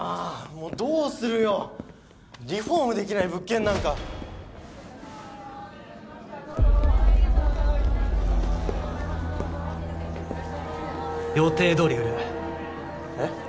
もうどうするよリフォームできない物件なんかどうぞ予定どおり売るえっ？